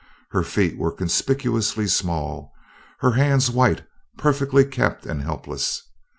Her feet were conspicuously small, her hands white, perfectly kept and helpless.